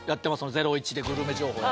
「ゼロイチ」でグルメ情報あ